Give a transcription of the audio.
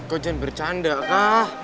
kok jangan bercanda kak